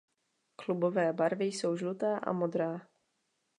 Klubové barvy jsou žlutá a modrá.